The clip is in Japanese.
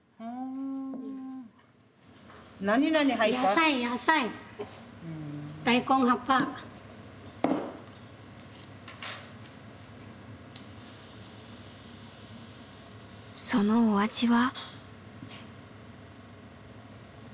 野菜野菜そのお味は？